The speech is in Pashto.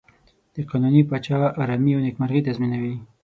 د قانوني پاچا آرامي او نېکمرغي تضمینوي.